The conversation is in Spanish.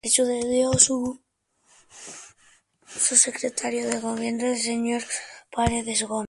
Le sucedió su secretario de Gobierno, el señor Paredes Gómez.